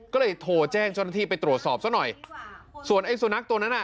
ก็เลยโทรแจ้งเจ้าหน้าที่ไปตรวจสอบซะหน่อยส่วนไอ้สุนัขตัวนั้นอ่ะ